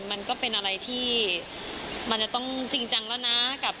มันก็เป็นอะไรที่มันจะต้องจริงจังแล้วนะ